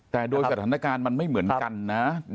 แต่โดยสถานการณ์มันไม่เหมือนกันนะ